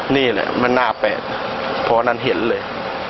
นี่แหละมันหน้าแปลกเพราะอันนั้นเห็นเลย